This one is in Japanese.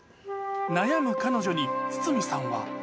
悩む彼女に筒美さんは。